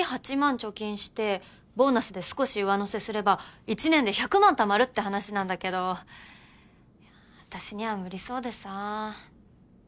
貯金してボーナスで少し上乗せすれば１年で１００万たまるって話なんだけどあたしには無理そうでさぁ。